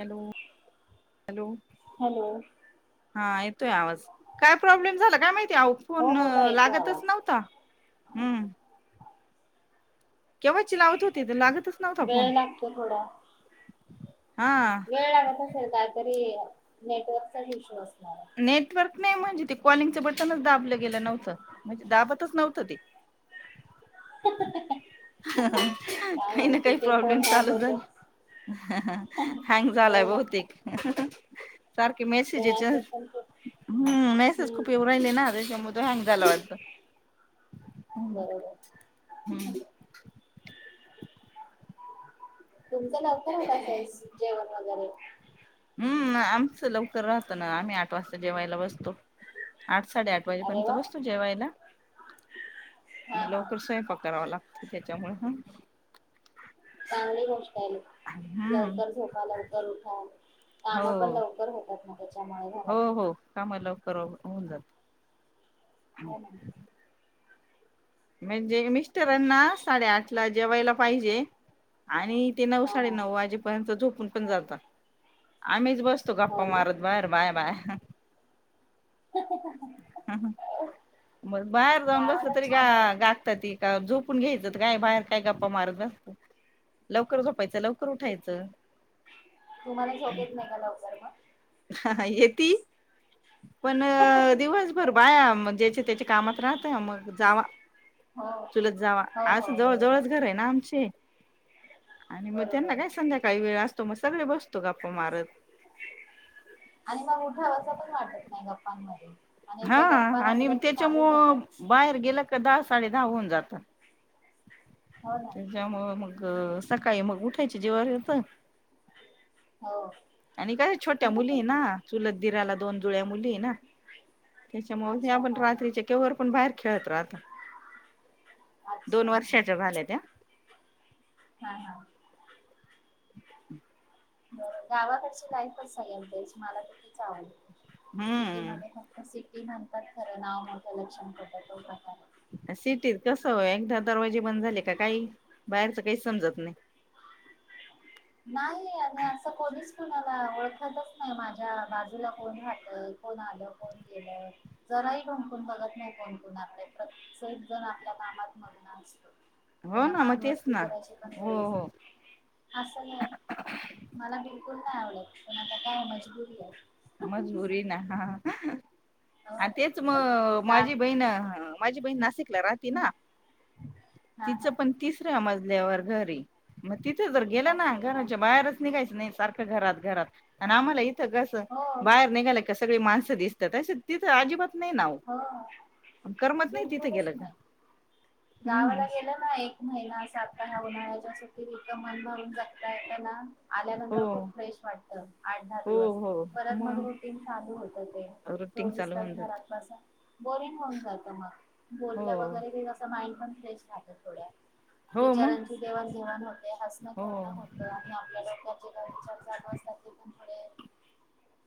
Hello hello! Hello हा येतोय आवाज काय प्रॉब्लेम झाला, काय माहिती फोन हो बोला येतोय आवाज लागतच नव्हता, हम्म! केव्हाची लावत होते, तर लागतं वेळ लागतो थोडा हा वेळ लागतं असल कायतरी नेटवर्कचा इश्यू असल नेटवर्क नाही, म्हणजे ते कॉलिंगच बटनच दाबलं गेलं नव्हते, म्हणजे दाबतच नव्हतं ते. काय काही ना माहिती काही ते प्रॉब्लेम फोन हँग चालू होतो झालें, हँग हो झालाय ना बहुतेक सारखे ते मेसेजेच मेसेज पण खूप. हम्म! मेसेज हम्म खुप येउरायले ना तेच्यामुळ ते हँंग झालं वाटत. बरोबर हम्म! तुमच लवकर होत असेल जेवण वगैरे हम आमचं लवकर राहत, ना आम्ही आठ वाजता जेवायला बसतो, आठ साडे आठ अरे वाजेपर्यंत वा बसतो, जेवायला हा मग हा लवकर स्वयंपाक करावा लागतो. त्याच्यामुळे हा चांगली गोष्ट आहे हम्म लवकर झोपा लवकर हा काम पण हो लवकर होतात, ना त्याच्यामुळे हो घरात हो काम लवकर अवरुण होऊन जात. हो म्हणजे, मिस्टरांना साडेआठ ला जेवायला पाहिजे. आणि ते नऊ हा हा साडेनऊ वाजेपर्यंत झोप तू पण जा आता. आम्हीच बस बसतो, हो गप्पा ना मारत बाहेर बाया बाया. हा. [unintelligible] [unintelligible] मग बाहेर जाऊन बसलं गावाला तरी, गा छान वाटत गातते ती का झोपून घ्यायचं ते काय? बाहेर काय गप्पा मारत बसती. लवकर झोपायच लवकर उठायचं तुम्हाला झोप येत, नाही का लवकर मग. हाहा.. येती पण दिवसभर बाया ज्याचा त्याच्या कामात राहत मग. जावा. हो हो चुलत जावा हो असं, जवळ बरोबर जवळच घर आहे ना आमची. आणि मग त्यांना बरोबर काय संध्याकाळी वेळ असत मग सगळे बसतो गप्पा मारत. आणि मग उठाव असं, पण वाटत नाही गप्पांमध्ये. आणि हा, एकदा गप्पा आणि रंगल्या की चालूच त्याच्यामुळ होतात बाहेर गेला दहा साडे दहा होऊन जातात. हो ना त्याच्यामुळ मग. सकाळी मग उठायची जिव्हावर येत. हो आणि काय, छोट्या मुली ना चुलत दिराला दोन जुळ्या मुली ना, त्याच्यामुळे अच्छा आपण हा हा रात्रीच्या केवर पण बाहेर खेळत राहता. दोन अच्छा वर्षाच्या झाल्या त्या. हा हा. [inaudible] गावाकडची लाईफच सगळ्यात बेस्ट, मला तर तिच आवडते. सीटी मध्ये हम्म फक्त सिटी ते, म्हणतात खर नाव मोठं लक्षण खोटं तो प्रकार. सिटीत कसं एकदा, दरवाजे बंद झाले का काही बाहेरच काही समजत नाही. नाही आणि असं कोणीच कुणाला ओळखतच नाही. माझ्या बाजूला, कोण राहत कोण आलं कोण गेलं जरा ही ढोकून बगत नाहीत कोणकुणाकडे प्रत्येक जण आपल्या कामात मग्न असतो. हो त्यांना ना मग मान तेच वरती ना करायची पण वेळे हो हो नसते अस मला बि चुकून नाय आवडत, पण आता काय मजबुरी आहे. मजबुरी ना हाहा. हा तेच म हो गा माझी बहीण माझी बहीण नासिक राती ना हा तिच हा पण तिच तिसऱ्या मजल्या वर घरयं मग तीत तर गेलं ना ओके हा घराच्या बाहेरच निघायच नाही. सारखं घरात घरात आणि आम्हाला इथं कसं हो बाहेर निघाल का सगळी माणसं दिसतात अ तिथं अजिबात हो करमत नाही तिथं बिलकुलचं गेलं का नाही, हम्म गावाला हम्म. गेलं ना एक महिना सात ह्या उन्हाळ्याच्या सुट्टीत इतकं, मन भरून जगता येतना आल्यानंतर खूप हो फ्रेश वाटत. आठ दहा हो दिवस, हो परत मग रुटीन चालू होत. ते रुटीन चोवीस चालू तास होऊन जात घरात बोरींग होऊन जात मग. हो बोल्ल वगैरे कि, कस माईंड? मन फ्रेश राहत थोड्या हो मग विचारांची देवाण घेवाण होते. हसण हो खेळणं होत आणि आपल्या डोक्यात जे काही विचार चालू असतात, ते पण थोडे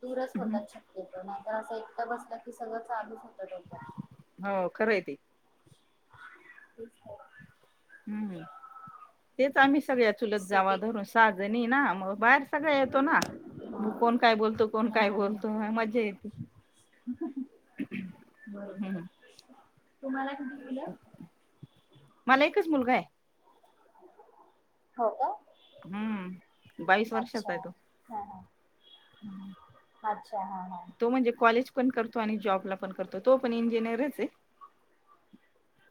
दूरच हम्म. होतात शक्य तो म आता, असं एकट बसल की सगळ चालूच हाय. हाव खरंय ते. तीच तर. हम्म तेच आमी सगळ्या चुलत जावा सिटी धरून सहा जणी नहीं ना मग बाहेर सगळ येतो ना, हा मग कोण काय बोलतो? कोण काय बोलतो? हा मज्जा येती, बरोबर हम्. तुम्हाला किती मुलं? मला एकच मुलगा हाय. हो का? हम्म बाईस अच्छा वर्षाचा आहे तो. हा हा हम्म. अच्छा हां. तो म्हणजे कॉलेज पण करतो आणि जॉबला पण करतो तो पण इंजिनियरच आहे.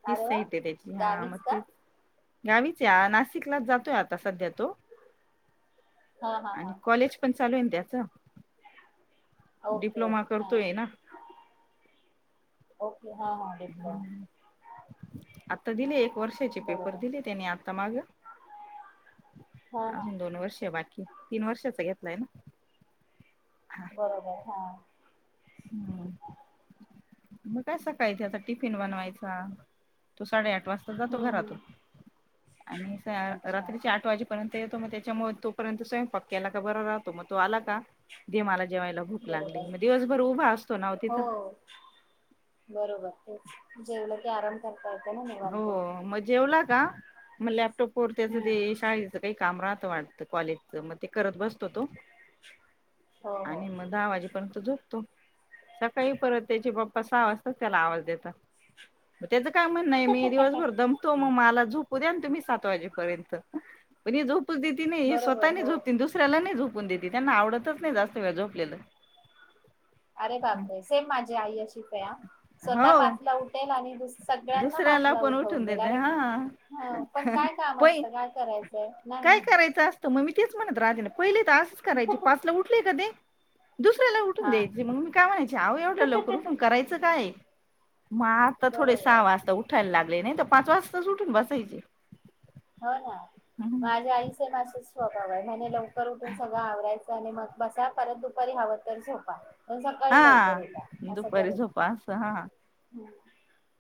तीच अरे वा साईट आहे त्याची हां गावीच मग का तेच गावीच या नाशिकलाच जातोय आता सध्या तो. हा हा आणि हा कॉलेज पण चालू आहे त्या चा. ओके डिप्लोमा ओके हा करतोय ना. ओके. हा हा डिप्लोमा आता दिले एक वर्षाचे पेपर बरोबर दिले त्यानी आ तमाग हा हा अजून दोन वर्ष बाकी. तीन वर्षाचा घेतलाय ना. हा. बरोबर हा. हम्म. मग काय सकाळी त्याच टिफिन बनवायचा. तो साडे आठ वाजता जातो हम्म घरातून हम्म आणि सा अच्छा रात्रीच्या आठ वाजेपर्यंत येतो मग त्याच्यामुळे तो पर्यंत स्वयंपाक केला का बरा राहातो. म तो आला का दे मला जेवायला भूक लागली बरोबर म दिवसभर उभा असतो ना वो तिथं. हो बरोबर तेच जेवलं की आराम कर हो मग जेवला त का म्हणले तो पोर त्याचं हम्म ते शाळेचं काही काम राह वाटत कॉलेज च मग ते करत बसतो तो. हो हो आणि मग दहा वाजे पण तो झोपतो. सकाळी परत त्याचे पप सहा वाजताच त्याला आवाज देतात. त्याच काय म्ह नाही मी दिवसभर दमतो मग मला झाप. उद्या या न तुम्ही सात वाजेपर्यंत. पण हे झोप तू दिदी नाई हे स्वतः बरोबर नाई हो झोपती, दुसऱ्याला नाही झोपून देत. ते त्यांना आवडतच नाही जास्त वेळ झोपलेलं. अरे बाप रे! सेम माझ- ते आई अशी हो स्वतः पाचला उठेल आणि दुस सगळ्यांना दुसऱ्याला पाचला पण उठवून उठून देईल देते अरे, हा पण काय काम पै असतं काय करायचं. काय करायचं असतं मग मी तेच म्हणत राहते, पहिले त असंच करायचे पाचला उठलेय का ते दुसऱ्याला ही उठून हा द्यायचे मग, मी काय म्हणायचे आहो एवढं लवकर उठून करायचं काय आहे? म आता थोडे साहा बरोबर वाजता उठायला लाग लै नई त पाच वाजतास ऊठून बसायचे. हो ना. हम्म. माझ्या आईचा ना असाच स्वभाव आहे, म्हणे लवकर उठून सगळं आवरायचं आणि मगं बसा परत दुपारी हवं तर झोपा. पण सकाळी लवकर उठा हां असं दुपारी करत झोपा अस हां. हं.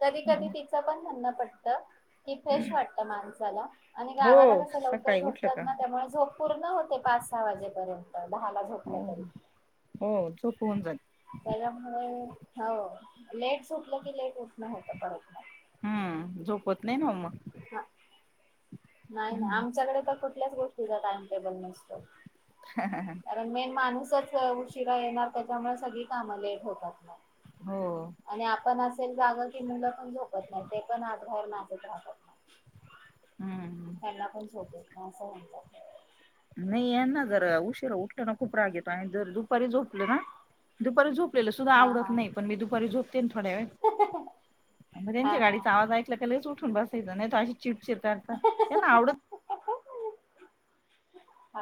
कधी कधी तिचं पण म्हणण पटतं. की फ्रेश वाटतं माणसा [unintelligible] आणि गावाला हो कसं लवकर सकाळी उठलं झोपतात का ना, त्यामुळे झोप पूर्ण होते पाच-सहा वाजेपर्यंत. दहाला झोपलं हो तरी, हो झोप होऊन जाते त्याच्यामुळे हाव लेट झोपल की लेट उठणं होत परत म हम्म झोप होत नाई ना व मग. हा. नाही ना हम्म. आमच्याकडे तर कुठ कुठल्याच गोष्टींचा टाईम टेबल नसतो. कारणं मेन माणूस सच उशिरा येणार त्यांच्यामुळे सगळी कामं लेट होतात मगं. हो आणि आपण असं जरी जागा केललं पण झोपत नाहीत, ते पण आत बाहेर नाचतं राहतात मगं. हम्म. त्यांना पण झोप येत नाही असं म्हणता. नाही यांना जरा उशिरा उठल ना, खूप राग येतो आणि जर दुपारी झोपलं ना दुपारी झोप पलेल सुद्धां हा हा आवडतं नाही पण मी दुपारी झोप येतीन थोड्या वेळात मग त्यांच्या हा हा गाडीचा आवाज ऐकला का लगेच उठते. उठून बसायचं नाही तर, अशी चिड चिड करता त्यांना आवडतं ना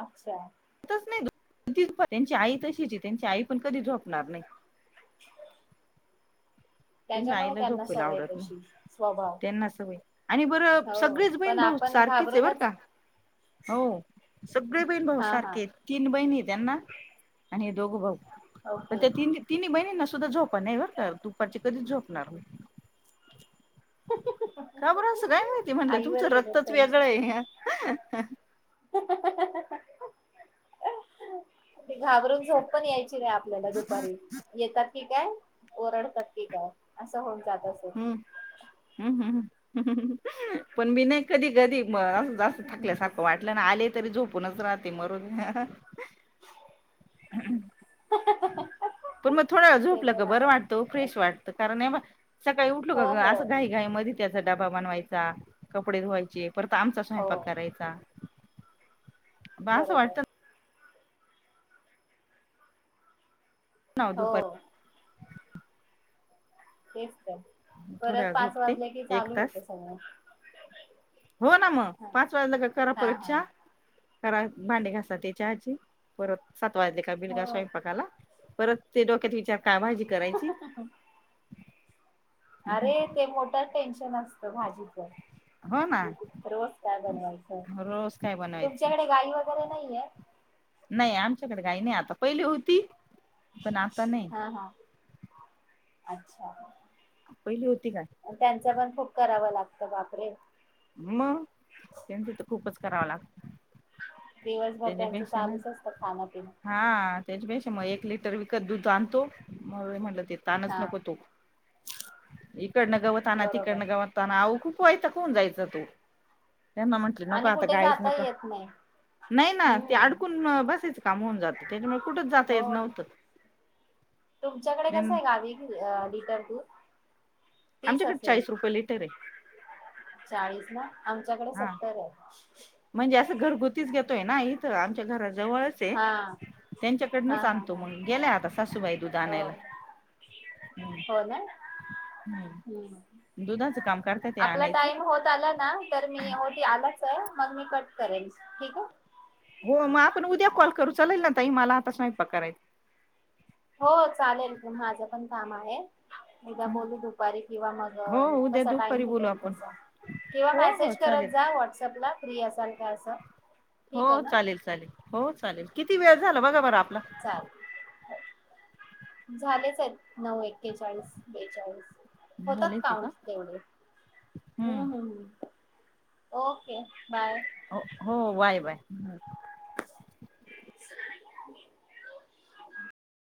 अच्छा. येतच नाई दोन तीन पर्यंत. त्यांची आई तशीचं ये त्यांची आई पण कधी झोप नार नाही. त्यांच्या त्यांच्यामुळे आईला त्यांना झोपायला सवय आवडत नाही तशी. स्वभाव त्यांना सवय आणि बरं हो सगळेच बहीण पण भाऊ आपण सारखीच हाय बर घाबरूनच का, हो सगळे बहीण भाऊ हा हा सारखेत तीन बहीणीहेत. त्यांना अन हे दोघं भाऊ. म ओके त्या ती तिनी बहिणींना सु सुद्धा झोपा नाही बरं का दुपारची कधीच झोपणार नाही. [inaudible] [unintelligible] आईवर तुमचं गेलेत रक्तच त्यांच्या वेगळं हाय. हा. घाबरून झोप पण यायची. आपल्याला दुपारी येतात. काय ओरडतात की काय असं होऊन जा. हम्म हम्म हम्म हम्. पण मी नाय कधी कधी मला सुधा थकल्या सारखं वाटलं ना आले तरी झोप कोणाचं तर आती मरून घ्या. [inaudible] [inaudible] पण मग थोडं ते झोपलं ग पण बरं वाटतं आहे फ्रेश वाटतं कारण हे सकाळी उठलो हो का हो असं घाई घाई मधी त्याचा डबा बनवायचा कपडे धुवायचे. परत आमचा हो स्वयंपाक करायचा बासं बरोबर वाटतं. ना हो. दुपारी हेच थोड्या परत वेळ पाच झोपते वाजले की एक चालू तास होतय सगळ. हो ना मग पाच वाजल कि करा हा परत हा च्या खरा भांडी घासाची चहाची परत सात् वाजले का बिलगा हो सयंपाकाला परत ते डोक्यात विचार का भाजी करायची अरे ते मोटर तेन टेन्शन असतं भाजी हो ना रोज काय बनवायचं रोज काय तुमच्याकडे गाई वेगे वगैरे नाहीये नाई आमच्याकडे काय नईय आता पहिली होती पण आता नाही हा हा अच्छा पहिली होती काय त्यांच पण खूप करावं लागत बापरे म त्यांचं तर खूपच करावं लाग दिवसभर त्यांचं ना चालूच असतं खाणंपिणं. म एक लिटर विकत दूध आणतो [unintelligible] ते ताणच हा नको तो, इकडनं गवत आणा बरोबर तिकडनं गवत आणा अहो खू वैताक होऊन जाय चा तो. यांना म्हटलं नको आणि आता कुठे गाईच जाता नको येत नाही. नाही ना ते हम्म अडकून बसायचं काम होऊन जातं [unintelligible] हो येत नव्हतं. तुमच्याकडे कसं देन आहे गावी अ लिटर दूध? तीस आमच्याकडं असेल चाळीस रुपये लिटरये. चाळीस ना? आमच्याकडे सत्तर आहे. म्हणजे असं घरगुतीच घेतोय ना इथं आमच्या घरात. जवळच आहे, हा त्यांच्या हा कडनचं हा आणतो हा मग गेल्याय, आता सासूबाई दुध आणायला ओके ह. हुं दुधाचं काम करता ते आपला आणायचं टाइम होत आला, ना तर मी होती आला च मग मी कट करेल ठीक आहे? हो म आपण उद्या कॉल करू चालेल ना ताई? मला आता स्वयंपाक करायचाय. हो चालेल, माझं पण काम आहे. एकदा हं. बोलू दुपारी किंवा मग हो उद्या कसा टाइम दुपारी बोलू भेटेल आपण तसा, किंवा हो हो मेसेज करत चालेल. जा व्हॉट्सअपला फ्री असाल का असं हो ठीक आहे ना? चालेल चालेल हो चालेल किती वेळ झाला बघा बर आप चालतयं. झालेच आहेत नऊ एक. एक्केचाळीस बेचाळीस होतात, झालेच आहे का काउंट तेवढे ह हम्म ह ह. ओके! बाय हो हो वाय वाय हु. [unintelligible]